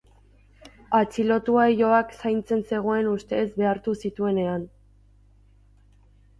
Atxilotua ilobak zaintzen zegoen ustez behartu zituenean.